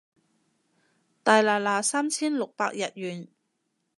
大拿拿三千六百日圓